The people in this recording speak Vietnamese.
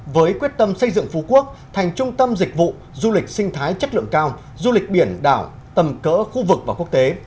với quyết tâm xây dựng phú quốc thành trung tâm dịch vụ du lịch sinh thái chất lượng cao du lịch biển đảo tầm cỡ khu vực và quốc tế